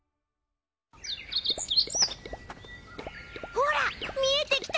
ほらみえてきたよ！